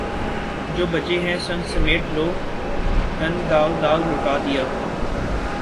جو بچے ہیں سنگ سمیٹ لو تن داغ داغ لٹا دیا